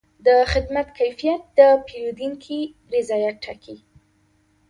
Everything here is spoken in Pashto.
د خدمت کیفیت د پیرودونکي رضایت ټاکي.